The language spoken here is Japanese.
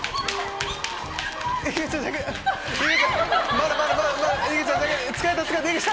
まだまだまだ！